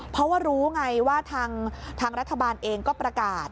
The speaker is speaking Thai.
เพราะว่ารู้ไงว่าทางรัฐบาลเองก็ประกาศ